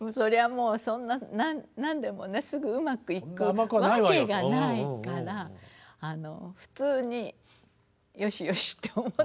もうそんな何でもねすぐうまくいくわけがないから普通によしよしって思ってました。